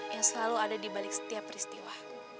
yang selalu ada di balik setiap peristiwa